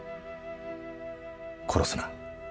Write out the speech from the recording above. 「殺すな！